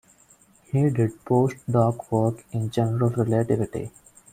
He did post-doc work in general relativity.